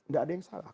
tidak ada yang salah